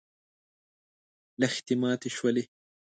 لښتې ماتې شولې.